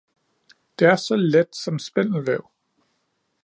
Det er så let, som spindelvæv!